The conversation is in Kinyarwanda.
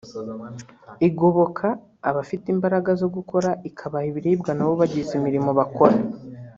igoboka abafite imbaraga zo gukora ikabaha ibiribwa nabo bagize imirimo bakora